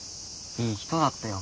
いい人だったよ。